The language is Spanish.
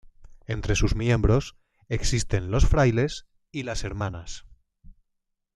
Entre sus miembros existen los frailes y las hermanas.